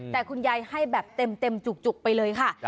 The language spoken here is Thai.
แต่คุณยายให้แบบเต็มจุกไปเลยค่ะ